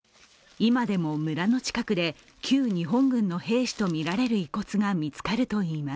今でも村の近くで、旧日本軍の兵士とみられる遺骨が見つかるといいます。